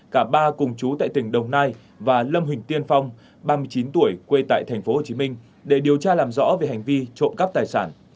cả ba cùng chú tại tỉnh đồng nai và lâm huỳnh tiên phong ba mươi chín tuổi quê tại tp hcm để điều tra làm rõ về hành vi trộm cắp tài sản